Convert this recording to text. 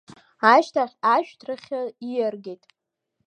Ашьҭахь ажәҭрахьы ииар-геит.